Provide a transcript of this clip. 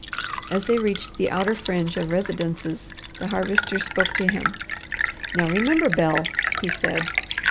As they reached the outer fringe of residences the Harvester spoke to him. "Now remember, Bel," he said.